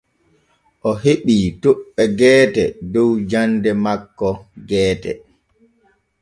O heɓii toɓɓe geete dow jande makko geete.